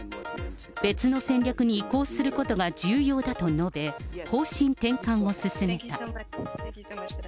別の戦略に移行することが重要だと述べ、方針転換を勧めた。